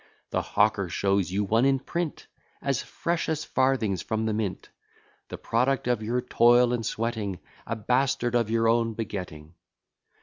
The hawker shows you one in print, As fresh as farthings from the mint: The product of your toil and sweating; A bastard of your own begetting.